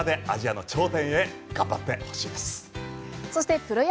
若い力でアジアの頂点へ頑張ってほしいです。